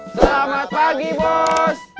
selamat pagi bos